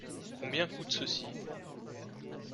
Combien coûte ceci ?